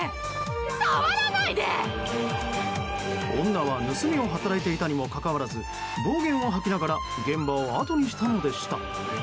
女は盗みを働いていたにもかかわらず暴言を吐きながら現場をあとにしたのでした。